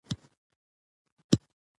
لوستې میندې د کورنۍ روغتیا پیاوړې کوي